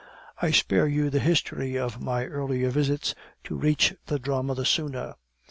"I spare you the history of my earlier visits, to reach the drama the sooner.